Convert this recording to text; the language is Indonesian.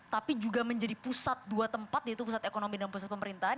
tapi juga menjadi pusat dua tempat yaitu pusat ekonomi dan pusat pemerintahan